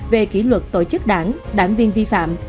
về kỷ luật tổ chức đảng đảng viên vi phạm